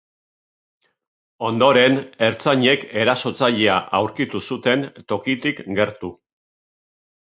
Ondoren, ertzainek erasotzailea aurkitu zuten, tokitik gertu.